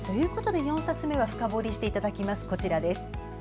４冊目は深掘りしていただきます。